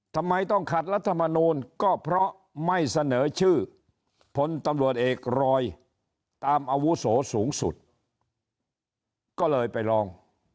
ทำไมต้องขัดรัฐมนูลก็เพราะไม่เสนอชื่อพลตำรวจเอกรอยตามอาวุโสสูงสุดก็เลยไปลอง